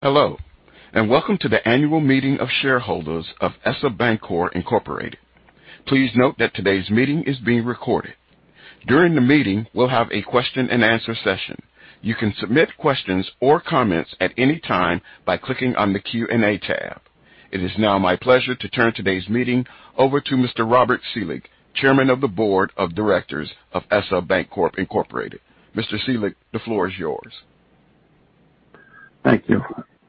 Hello, and welcome to the annual meeting of shareholders of ESSA Bancorp, Inc. Please note that today's meeting is being recorded. During the meeting, we'll have a question-and-answer session. You can submit questions or comments at any time by clicking on the Q&A tab. It is now my pleasure to turn today's meeting over to Mr. Robert Selig, Chairman of the Board of Directors of ESSA Bancorp, Inc. Mr. Selig, the floor is yours. Thank you.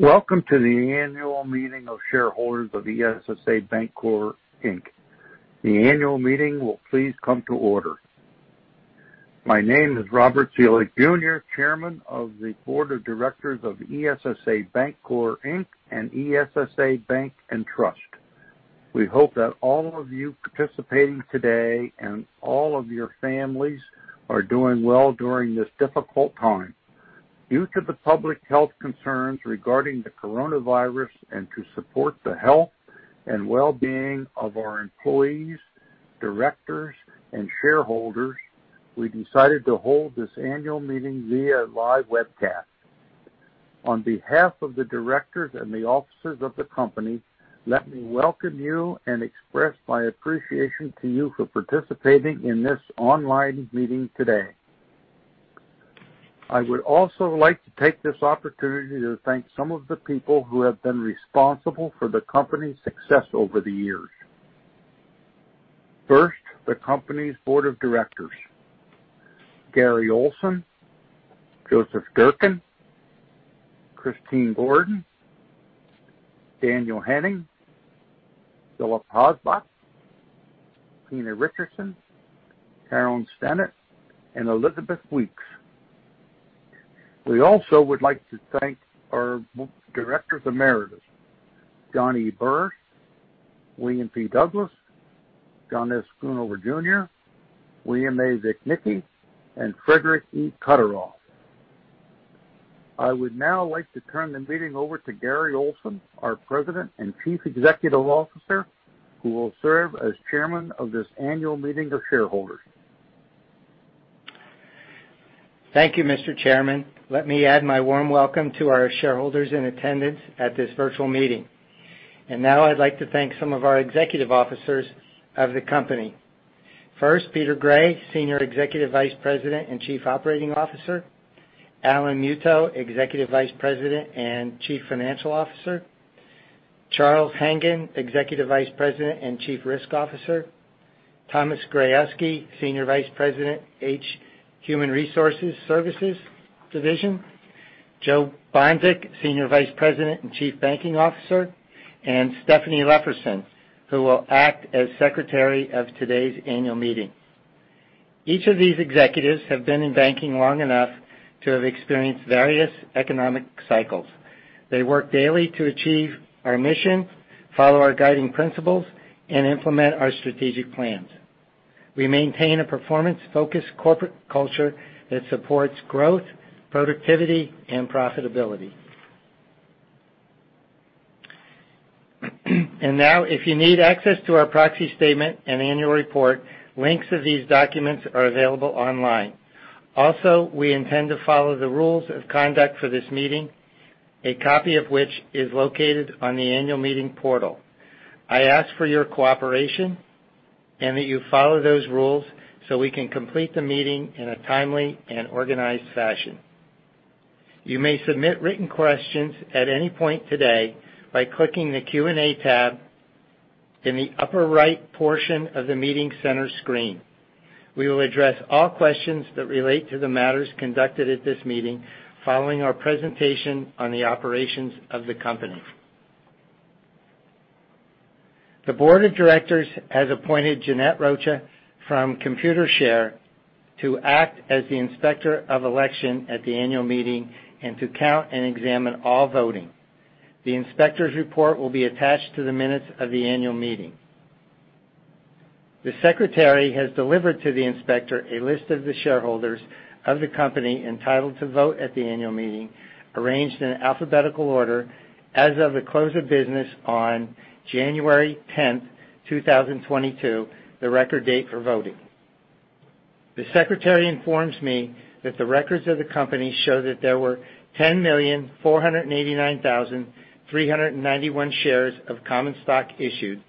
Welcome to the Annual Meeting of Shareholders of ESSA Bancorp, Inc. The Annual Meeting will please come to order. My name is Robert Selig Jr., Chairman of the Board of Directors of ESSA Bancorp, Inc. and ESSA Bank & Trust. We hope that all of you participating today and all of your families are doing well during this difficult time. Due to the public health concerns regarding the coronavirus and to support the health and well-being of our employees, directors, and shareholders, we decided to hold this annual meeting via live webcast. On behalf of the directors and the officers of the company, let me welcome you and express my appreciation to you for participating in this online meeting today. I would also like to take this opportunity to thank some of the people who have been responsible for the company's success over the years. First, the company's board of directors, Gary S. Olson, Joseph S. Durkin, Christine D. Gordon, Daniel J. Henning, Philip Hosbach, Tina Q. Richardson, Carolyn P. Stennett, and Elizabeth Weeks. We also would like to thank our directors emeritus, John E. Burrus, William P. Douglass, John S. Koonover Jr., William A. Zielnicki, and Frederick E. Kutteroff. I would now like to turn the meeting over to Gary S. Olson, our President and Chief Executive Officer, who will serve as Chairman of this annual meeting of shareholders. Thank you, Mr. Chairman. Let me add my warm welcome to our shareholders in attendance at this virtual meeting. Now I'd like to thank some of our executive officers of the company. First, Peter Gray, Senior Executive Vice President and Chief Operating Officer. Allan Muto, Executive Vice President and Chief Financial Officer. Charles Hangen, Executive Vice President and Chief Risk Officer. Thomas Grayuski, Senior Vice President, Human Resources Services Division. Joseph Bonsick, Senior Vice President and Chief Banking Officer. Stephanie Lefferson, who will act as Secretary of today's annual meeting. Each of these executives have been in banking long enough to have experienced various economic cycles. They work daily to achieve our mission, follow our guiding principles, and implement our strategic plans. We maintain a performance-focused corporate culture that supports growth, productivity, and profitability. Now, if you need access to our proxy statement and annual report, links to these documents are available online. Also, we intend to follow the rules of conduct for this meeting, a copy of which is located on the annual meeting portal. I ask for your cooperation and that you follow those rules so we can complete the meeting in a timely and organized fashion. You may submit written questions at any point today by clicking the Q&A tab in the upper right portion of the meeting center screen. We will address all questions that relate to the matters conducted at this meeting following our presentation on the operations of the company. The board of directors has appointed Jeanette Rocha from Computershare to act as the Inspector of Election at the annual meeting and to count and examine all voting. The inspector's report will be attached to the minutes of the annual meeting. The Secretary has delivered to the inspector a list of the shareholders of the company entitled to vote at the annual meeting, arranged in alphabetical order as of the close of business on 10th January, 2022, the record date for voting. The Secretary informs me that the records of the company show that there were 10,489,391 shares of common stock issued,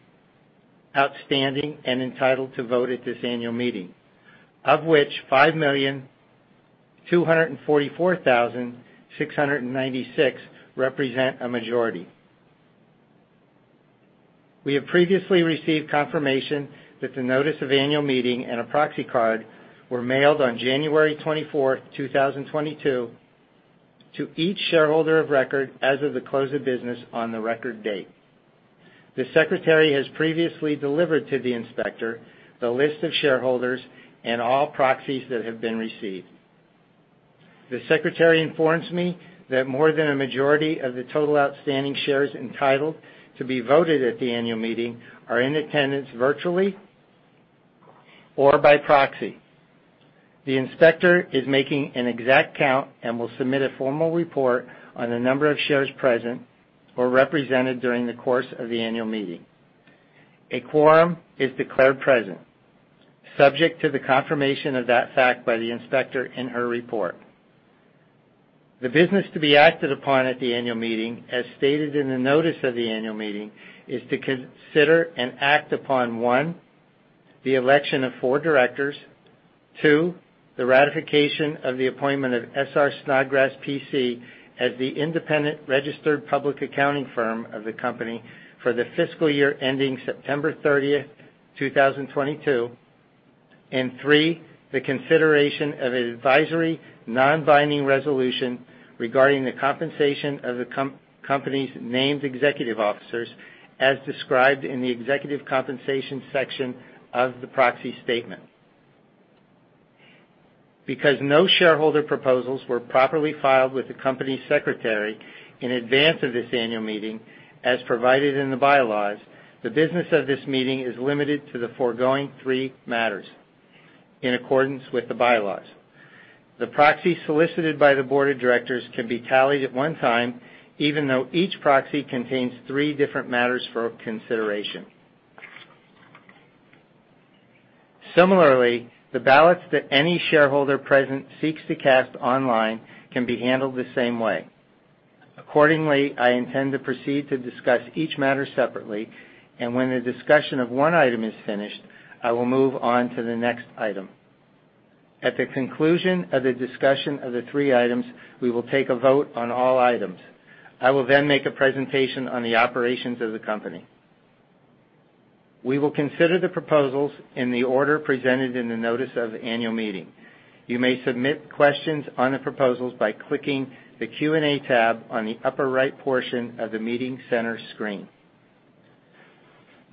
outstanding, and entitled to vote at this annual meeting, of which 5,244,696 represent a majority. We have previously received confirmation that the notice of annual meeting and a proxy card were mailed on 24th January, 2022 to each shareholder of record as of the close of business on the record date. The Secretary has previously delivered to the inspector the list of shareholders and all proxies that have been received. The Secretary informs me that more than a majority of the total outstanding shares entitled to be voted at the annual meeting are in attendance virtually or by proxy. The inspector is making an exact count and will submit a formal report on the number of shares present or represented during the course of the annual meeting. A quorum is declared present, subject to the confirmation of that fact by the inspector in her report. The business to be acted upon at the annual meeting, as stated in the notice of the annual meeting, is to consider and act upon, one, the election of four directors, two, the ratification of the appointment of S.R. Snodgrass, P.C. as the independent registered public accounting firm of the company for the fiscal year ending 30th September, 2022, and three, the consideration of an advisory non-binding resolution regarding the compensation of the company's named executive officers as described in the executive compensation section of the proxy statement. Because no shareholder proposals were properly filed with the company secretary in advance of this annual meeting as provided in the bylaws, the business of this meeting is limited to the foregoing three matters in accordance with the bylaws. The proxy solicited by the board of directors can be tallied at one time, even though each proxy contains three different matters for consideration. Similarly, the ballots that any shareholder present seeks to cast online can be handled the same way. Accordingly, I intend to proceed to discuss each matter separately, and when the discussion of one item is finished, I will move on to the next item. At the conclusion of the discussion of the three items, we will take a vote on all items. I will then make a presentation on the operations of the company. We will consider the proposals in the order presented in the notice of the annual meeting. You may submit questions on the proposals by clicking the Q&A tab on the upper right portion of the meeting center screen.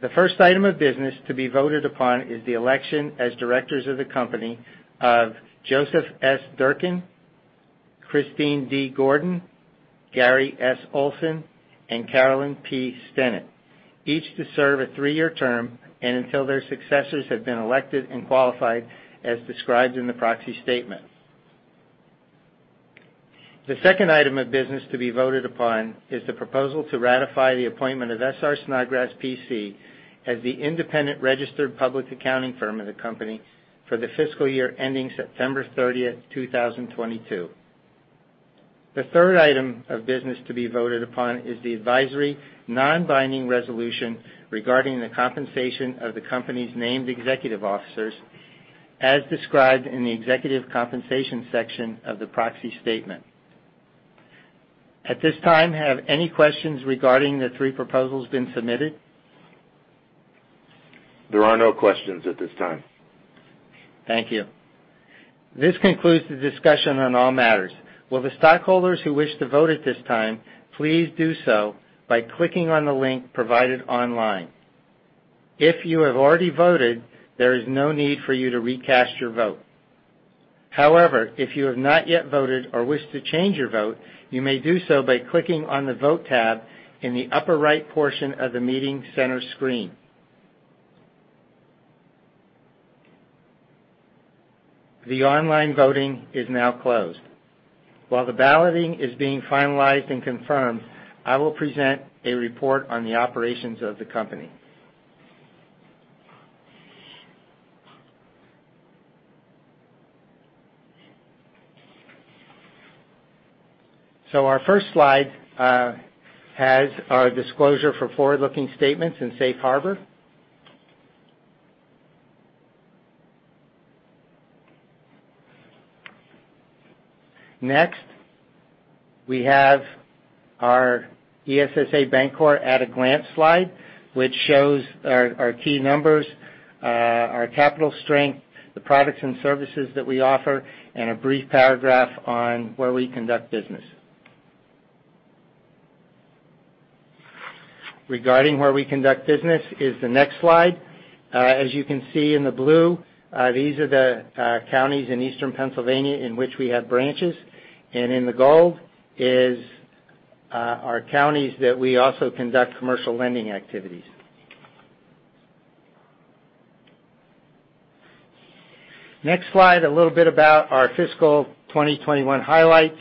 The first item of business to be voted upon is the election as directors of the company of Joseph S. Durkin, Christine D. Gordon, Gary S. Olson, and Carolyn P. Stennett, each to serve a three-year term and until their successors have been elected and qualified as described in the proxy statement. The second item of business to be voted upon is the proposal to ratify the appointment of S.R. Snodgrass, P.C. as the independent registered public accounting firm of the company for the fiscal year ending 30th September, 2022. The third item of business to be voted upon is the advisory non-binding resolution regarding the compensation of the company's named executive officers as described in the executive compensation section of the proxy statement. At this time, have any questions regarding the three proposals been submitted? There are no questions at this time. Thank you. This concludes the discussion on all matters. Will the stockholders who wish to vote at this time please do so by clicking on the link provided online. If you have already voted, there is no need for you to recast your vote. However, if you have not yet voted or wish to change your vote, you may do so by clicking on the Vote tab in the upper right portion of the meeting center screen. The online voting is now closed. While the balloting is being finalized and confirmed, I will present a report on the operations of the company. Our first slide has our disclosure for forward-looking statements in Safe Harbor. Next, we have our ESSA Bancorp at a glance slide, which shows our key numbers, our capital strength, the products and services that we offer, and a brief paragraph on where we conduct business. Regarding where we conduct business is the next slide. As you can see in the blue, these are the counties in Eastern Pennsylvania in which we have branches, and in the gold is our counties that we also conduct commercial lending activities. Next slide, a little bit about our fiscal 2021 highlights.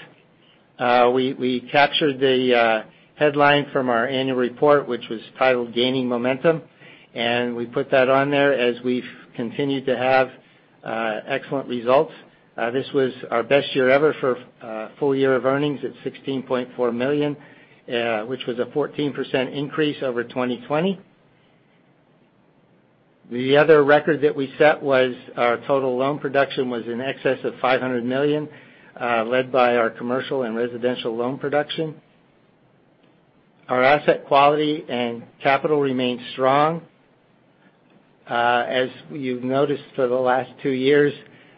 We captured the headline from our annual report, which was titled Gaining Momentum, and we put that on there as we've continued to have excellent results. This was our best year ever for full year of earnings at $16.4 million, which was a 14% increase over 2020. The other record that we set was our total loan production in excess of $500 million, led by our commercial and residential loan production. Our asset quality and capital remained strong. As you've noticed for the last two years,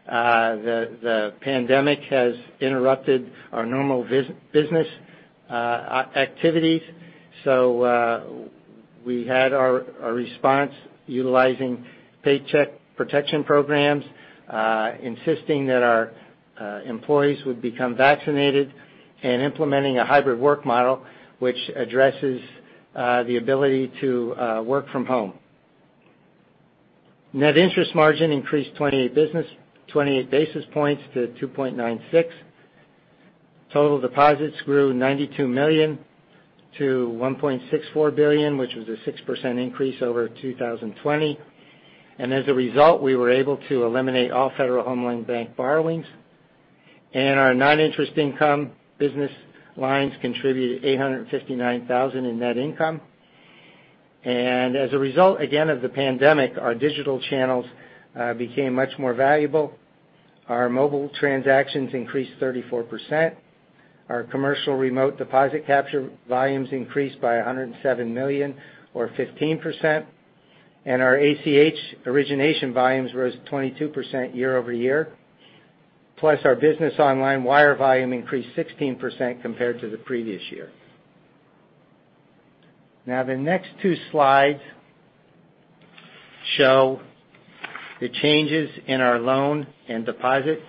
the pandemic has interrupted our normal business activities. We had our response utilizing Paycheck Protection Programs, insisting that our employees would become vaccinated, and implementing a hybrid work model which addresses the ability to work from home. Net interest margin increased 20 basis points to 2.96%. Total deposits grew $92 - $1.64 billion, which was a 6% increase over 2020. As a result, we were able to eliminate all Federal Home Loan Bank borrowings. Our non-interest income business lines contributed $859,000 in net income. As a result, again, of the pandemic, our digital channels became much more valuable. Our mobile transactions increased 34%. Our commercial remote deposit capture volumes increased by $107 million or 15%, and our ACH origination volumes rose 22% year-over-year. Our business online wire volume increased 16% compared to the previous year. Now, the next two slides show the changes in our loan and deposit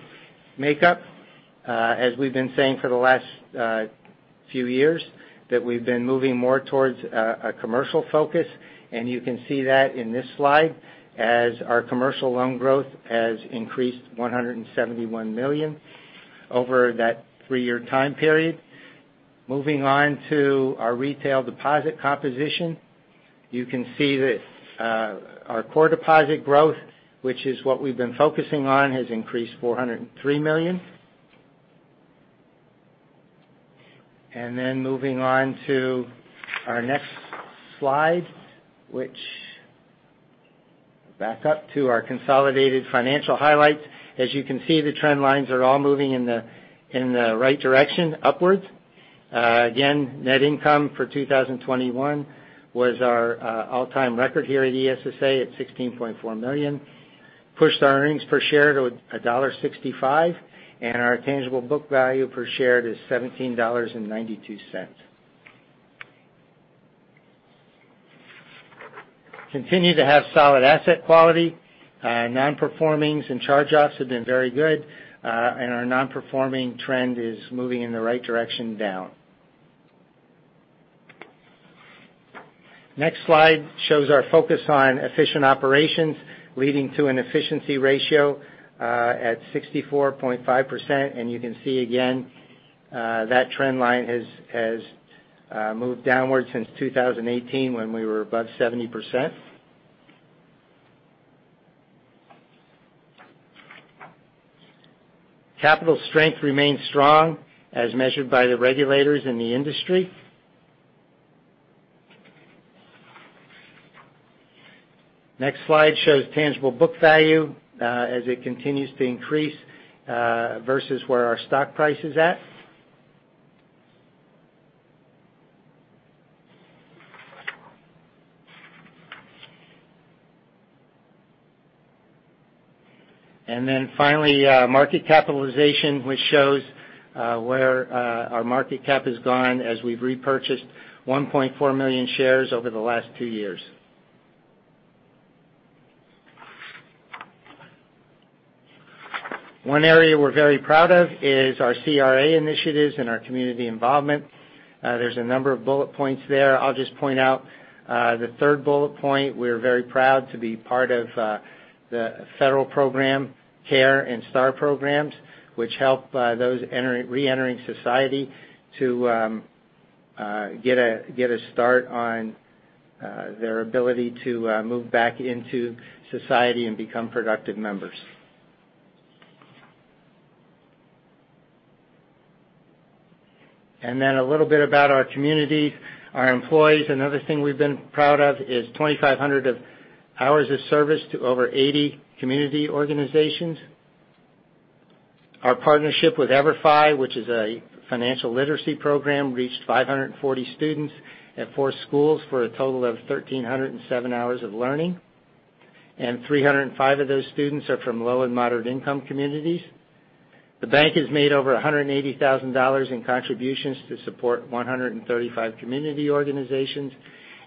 makeup. As we've been saying for the last few years, that we've been moving more towards a commercial focus, and you can see that in this slide as our commercial loan growth has increased $171 million over that three-year time period. Moving on to our retail deposit composition. You can see that our core deposit growth, which is what we've been focusing on, has increased $403 million. Then moving on to our next slide, which backs up to our consolidated financial highlights. As you can see, the trend lines are all moving in the right direction, upwards. Again, net income for 2021 was our all-time record here at ESSA at $16.4 million. Pushed our earnings per share to $1.65, and our tangible book value per share is $17.92. Continue to have solid asset quality. Nonperforming and charge-offs have been very good, and our nonperforming trend is moving in the right direction down. Next slide shows our focus on efficient operations, leading to an efficiency ratio at 64.5%. You can see again that trend line has moved downward since 2018, when we were above 70%. Capital strength remains strong as measured by the regulators in the industry. Next slide shows tangible book value as it continues to increase versus where our stock price is at. Finally, market capitalization, which shows where our market cap has gone as we've repurchased 1.4 million shares over the last two years. One area we're very proud of is our CRA initiatives and our community involvement. There's a number of bullet points there. I'll just point out the third bullet point. We're very proud to be part of the federal program, CARE and STAR programs, which help those reentering society to get a start on their ability to move back into society and become productive members. Then a little bit about our community, our employees. Another thing we've been proud of is 2,500 hours of service to over 80 community organizations. Our partnership with Everfi, which is a financial literacy program, reached 540 students at 4 schools for a total of 1,307 hours of learning, and 305 of those students are from low and moderate income communities. The bank has made over $180,000 in contributions to support 135 community organizations,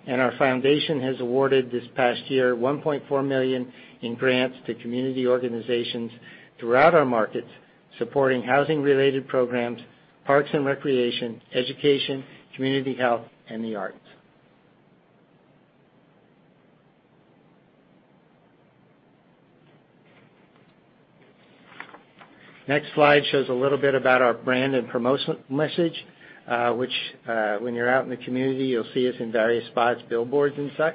and our foundation has awarded this past year $1.4 million in grants to community organizations throughout our markets, supporting housing related programs, parks and recreation, education, community health, and the arts. Next slide shows a little bit about our brand and promotion message, which, when you're out in the community, you'll see us in various spots, billboards and such.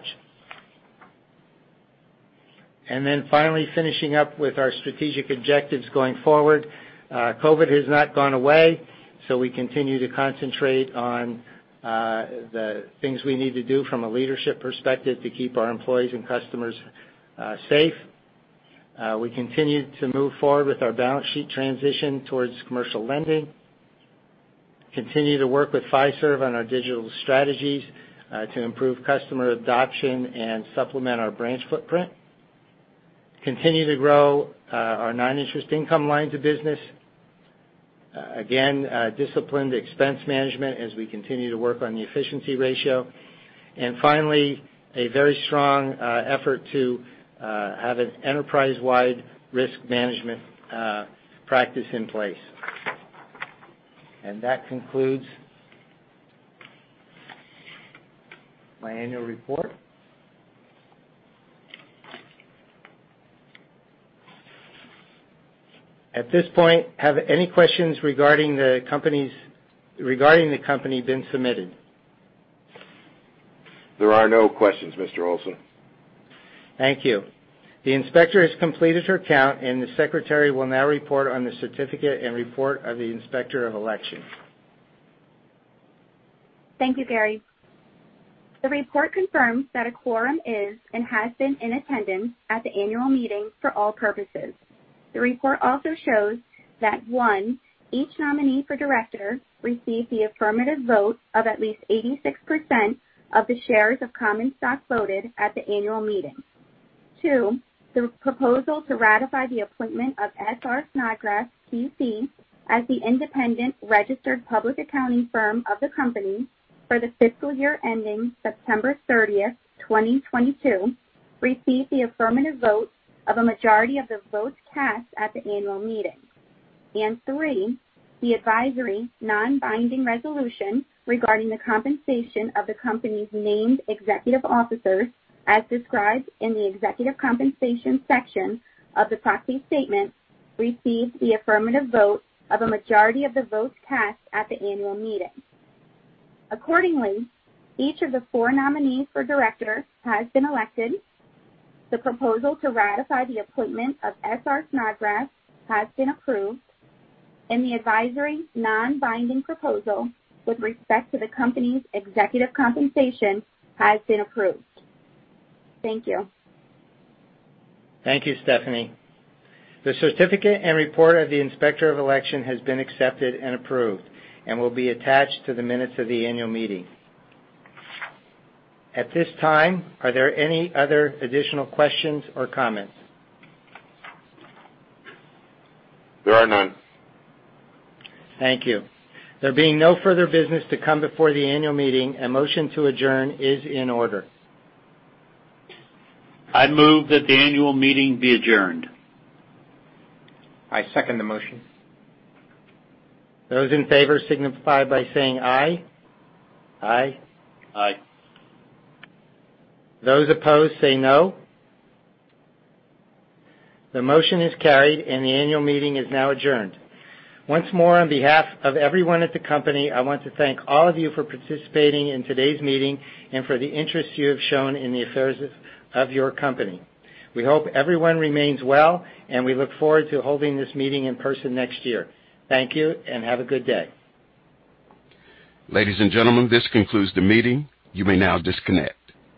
Finally, finishing up with our strategic objectives going forward. COVID has not gone away, so we continue to concentrate on the things we need to do from a leadership perspective to keep our employees and customers safe. We continue to move forward with our balance sheet transition towards commercial lending. Continue to work with Fiserv on our digital strategies to improve customer adoption and supplement our branch footprint. Continue to grow our non-interest income lines of business. Again, disciplined expense management as we continue to work on the efficiency ratio. Finally, a very strong effort to have an enterprise-wide risk management practice in place. That concludes my annual report. At this point, have any questions regarding the company been submitted? There are no questions, Mr. Olson. Thank you. The inspector has completed her count, and the secretary will now report on the certificate and report of the Inspector of Election. Thank you, Gary. The report confirms that a quorum is and has been in attendance at the annual meeting for all purposes. The report also shows that, one, each nominee for director received the affirmative vote of at least 86% of the shares of common stock voted at the annual meeting. Two, the proposal to ratify the appointment of S.R. Snodgrass, P.C., as the independent registered public accounting firm of the company for the fiscal year ending 30th September, 2022, received the affirmative vote of a majority of the votes cast at the annual meeting. And three, the advisory non-binding resolution regarding the compensation of the company's named executive officers, as described in the executive compensation section of the proxy statement, received the affirmative vote of a majority of the votes cast at the annual meeting. Accordingly, each of the 4 nominees for director has been elected. The proposal to ratify the appointment of S.R. Snodgrass has been approved, and the advisory non-binding proposal with respect to the company's executive compensation has been approved. Thank you. Thank you, Stephanie. The certificate and report of the Inspector of Election has been accepted and approved and will be attached to the minutes of the annual meeting. At this time, are there any other additional questions or comments? There are none. Thank you. There being no further business to come before the annual meeting, a motion to adjourn is in order. I move that the annual meeting be adjourned. I second the motion. Those in favor signify by saying aye. Aye. Aye. Those opposed, say no. The motion is carried, and the annual meeting is now adjourned. Once more, on behalf of everyone at the company, I want to thank all of you for participating in today's meeting and for the interest you have shown in the affairs of your company. We hope everyone remains well, and we look forward to holding this meeting in person next year. Thank you, and have a good day. Ladies and gentlemen, this concludes the meeting. You may now disconnect.